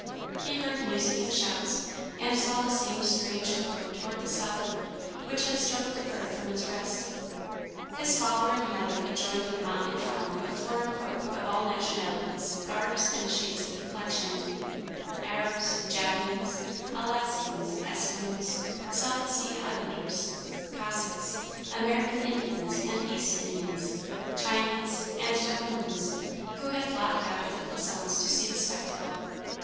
He heard music and shouts, and saw the same strange glow toward the southward which had startled the bird from its rest. His father and mother had joined the motley throng of foreign folk of all nationalities, garbs, and shades of complexion, Arabs, Javanese, Alaskans, Eskimos, South Sea Islanders, Cossacks, American Indians, and East Indians, Chinese, and Dahomyans, who had flocked out of the Plaisance to see the spectacle.